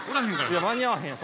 いや間に合わへんよ